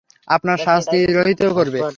আপনার শাস্তি রহিত করবে।